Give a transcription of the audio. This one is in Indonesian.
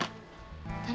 yang sama ada